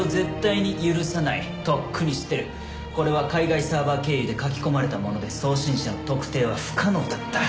これは海外サーバー経由で書き込まれたもので送信者の特定は不可能だった。